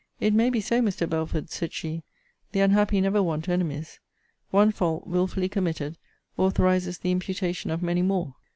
It may be so, Mr. Belford, said she: the unhappy never want enemies. One fault, wilfully committed, authorizes the imputation of many more.